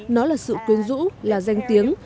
nó là sự quyến rũ là danh tiếng